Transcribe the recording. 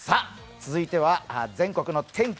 続いては全国の天気。